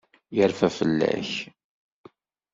Yerfa fell-ak.